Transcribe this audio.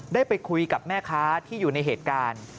ได้ไปคุยกับแม่ค้าที่อยู่ในเหตุการณ์